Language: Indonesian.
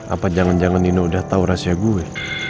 apa jangan jangan nino udah tahu rahasia gue